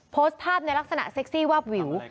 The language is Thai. โพสต์ภาพในลักษณะเซ็กซี่วาบวิว